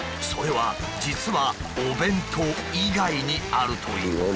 それは実はお弁当以外にあるという。